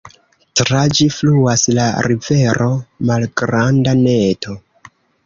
Tra ĝi fluas la rivero Malgranda Neto.